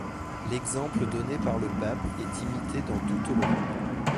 L'exemple donné par le pape est imité dans toute l'Europe.